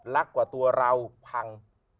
กว่าตัวเราพัง